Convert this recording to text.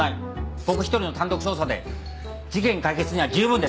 僕一人の単独捜査で事件解決には十分です。